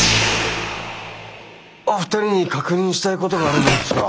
お二人に確認したいことがあるんですが。